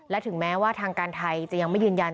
และถึงแม้ว่าทางการไทยจะยังไม่ยืนยัน